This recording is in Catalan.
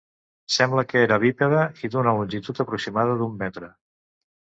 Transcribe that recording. Sembla que era bípede i d'una longitud aproximada d'un metre.